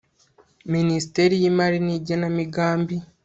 minisiteri y'imari n'igenamigambi